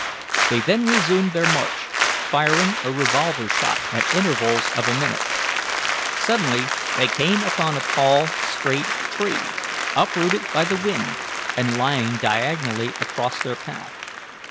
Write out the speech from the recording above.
They then resumed their march, firing a revolver shot at intervals of a minute. Suddenly they came upon a tall, straight tree, uprooted by the wind and lying diagonally across their path.